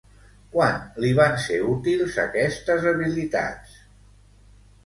Quan li van ser útils aquestes habilitats?